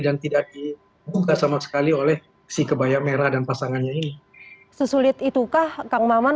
dan tidak dibuka sama sekali oleh si kebaya merah dan pasangannya ini sesulit itukah kang maman